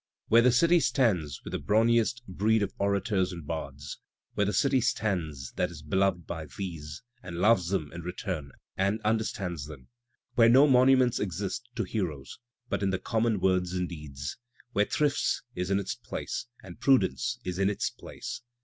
Where the dty stands with the brawniest breed of orators and bards» Where the city stands that is belov'd by these, and loves them in return and understands them. Where no monimients exist to heroes but in the common words and deeds. Where thrift is in its place, and prudence is in its place.